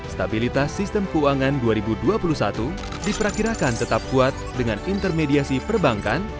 stabilitas sistem keuangan dua ribu dua puluh satu diperkirakan tetap kuat dengan intermediasi perbankan